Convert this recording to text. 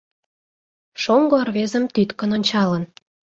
— Шоҥго рвезым тӱткын ончалын.